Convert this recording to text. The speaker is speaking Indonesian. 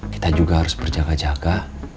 kita juga harus berjaga jaga